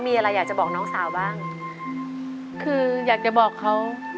มีอะไรอยากจะบอกน้องสาวบ้างคืออยากจะบอกเขา